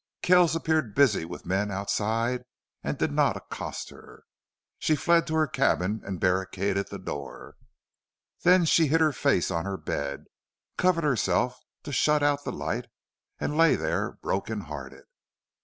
Kells appeared busy with men outside and did not accost her. She fled to her cabin and barricaded the door. Then she hid her face on her bed, covered herself to shut out the light, and lay there, broken hearted.